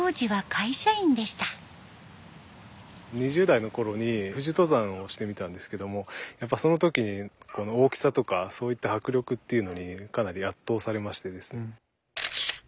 ２０代のころに富士登山をしてみたんですけどもやっぱその時に大きさとかそういった迫力っていうのにかなり圧倒されましてですね。